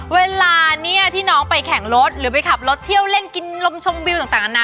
เวลาเนี่ยที่น้องไปแข่งรถหรือไปขับรถเที่ยวเล่นกินลมชมวิวต่างนานา